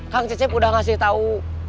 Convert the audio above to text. kang cecep udah ngasih tau